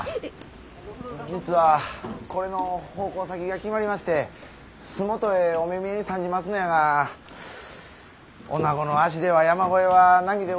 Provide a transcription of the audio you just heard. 実はこれの奉公先が決まりまして洲本へお目見えに参じますのやがおなごの足では山越えは難儀でございまする。